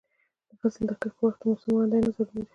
د فصل د کښت پر وخت د موسم وړاندوینه ضروري ده.